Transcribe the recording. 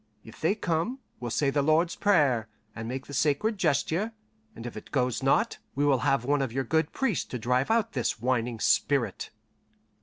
If they come, we'll say the Lord's Prayer, and make the sacred gesture, and if it goes not, we will have one of your good priests to drive out this whining spirit."